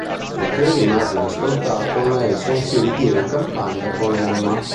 Poiché rimane inascoltato, Nelson si ritira in campagna con Emma.